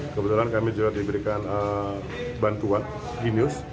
kebetulan kami juga diberikan bantuan gimus